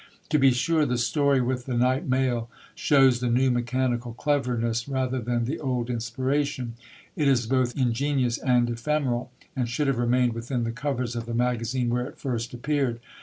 To be sure, the story With the Night Mail, shows the new mechanical cleverness rather than the old inspiration; it is both ingenious and ephemeral, and should have remained within the covers of the magazine where it first appeared.